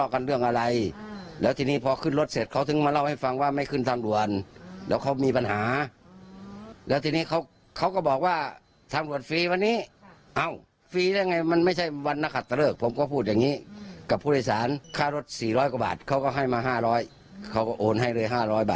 เขาพูดอะไรขอบคุณอะไรคุณลุงมั้ย